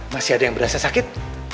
masih ada yang berasa sakit